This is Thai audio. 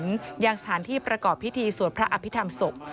ยังสถานที่ประกอบพิธีสวดพระอภิษฐรรมศพ